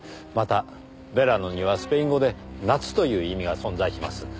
またヴェラノにはスペイン語で「夏」という意味が存在します。